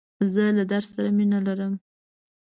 زه له درس سره مینه لرم.